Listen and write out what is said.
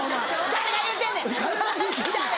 「誰が言うてんねん！」。